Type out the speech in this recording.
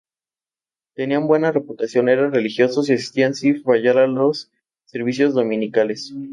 Tenían buena reputación, eran religiosos y asistían sin fallar a los servicios dominicales.